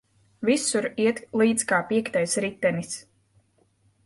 Visur iet līdz kā piektais ritenis.